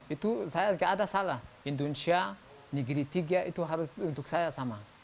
itu saya tidak ada salah indonesia negeri tiga itu harus untuk saya sama